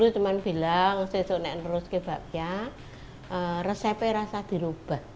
dulu teman bilang saya terus terus ke bakpia resepnya rasa berubah